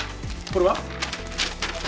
これは？